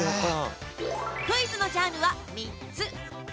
クイズのジャンルは３つ。